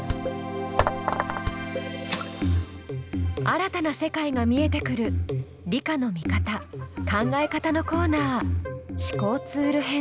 新たな世界が見えてくる理科の見方・考え方のコーナー思考ツール編。